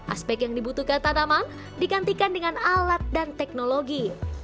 aspek yang dibutuhkan tanaman digantikan dengan alat dan teknologi